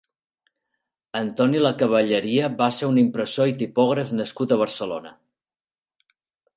Antoni Lacavalleria va ser un impressor i tipògraf nascut a Barcelona.